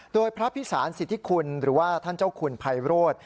โดยพระพิสารสิทธิคุณหรือว่าท่านเจ้าคุณไพโรธ